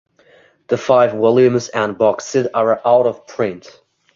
The five volumes and box set are out-of-print.